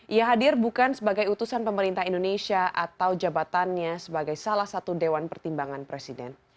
ia hadir bukan sebagai utusan pemerintah indonesia atau jabatannya sebagai salah satu dewan pertimbangan presiden